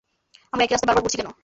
আমরা একই রাস্তায় বারবার ঘুরছি কেন?